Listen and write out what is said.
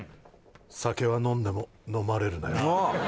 酒は飲んでも飲まれるなよ」